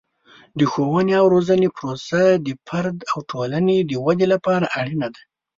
د ښوونې او روزنې پروسه د فرد او ټولنې د ودې لپاره اړینه ده.